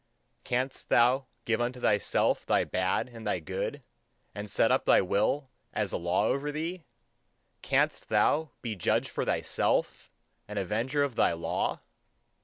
Canst thou give unto thyself thy bad and thy good, and set up thy will as a law over thee? Canst thou be judge for thyself, and avenger of thy law?